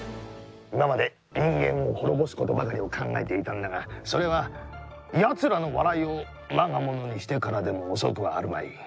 いままでにんげんをほろぼすことばかりをかんがえていたんだがそれはやつらの笑いをわがものにしてからでもおそくはあるまい。